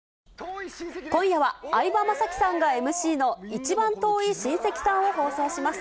今夜は相葉雅紀さんがＭＣの一番遠い親戚さんを放送します。